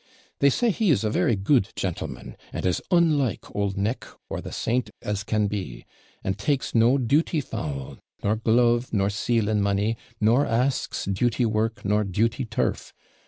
They say, he is a very good jantleman, and as unlike old Nick or the saint as can be; and takes no duty fowl, nor glove, nor sealing money; nor asks duty work nor duty turf.